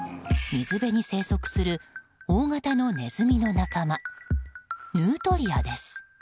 水辺に生息する大型のネズミの仲間ヌートリアです。